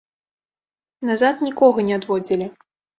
Назад нікога не адводзілі.